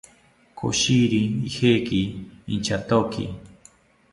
Koshiri ijeki inchatoki